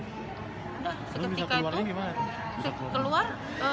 udah seketika itu keluar